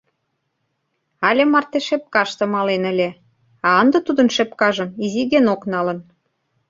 Але марте шепкаште мален ыле, а ынде тудын шепкажым изи Генок налын.